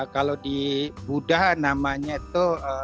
kalau di buddha namanya itu